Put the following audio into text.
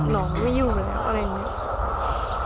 น้องไม่อยู่แล้วอะไรอย่างนี้